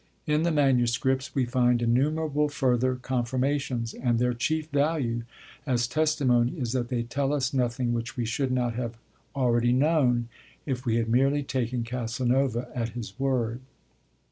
In the manuscripts we find innumerable further confirmations; and their chief value as testimony is that they tell us nothing which we should not have already known, if we had merely taken Casanova at his word.